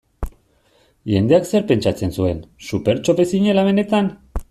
Jendeak zer pentsatzen zuen, Supertxope zinela benetan?